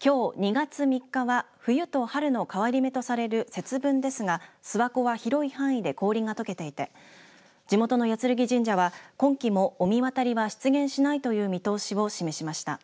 きょう２月３日は冬と春の変わり目とされる節分ですが、諏訪湖は広い範囲で氷がとけていて地元の八劔神社は、今季も御神渡りは出現しないという見通しを示しました。